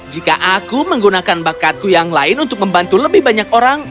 jika aku menggunakan bakatku yang lain untuk membantu lebih banyak orang